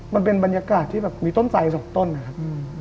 มันเป็นบรรยากาศที่แบบมีต้นไสสองต้นนะครับ